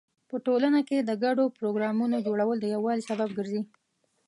په ټولنه کې د ګډو پروګرامونو جوړول د یووالي سبب ګرځي.